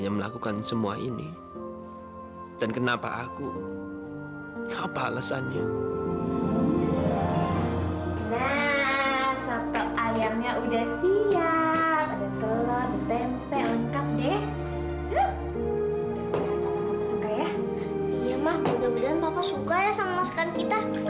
iya mak mudah mudahan papa suka ya sama masakan kita